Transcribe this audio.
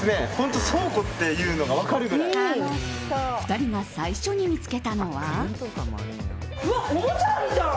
２人が最初に見つけたのは。